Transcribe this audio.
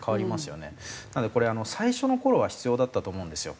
なのでこれ最初の頃は必要だったと思うんですよ。